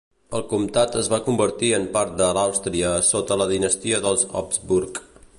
El comtat es va convertir en part de l'Àustria sota la dinastia dels Habsburg.